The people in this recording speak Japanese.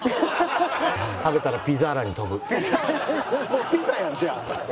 もうピザやんじゃあ。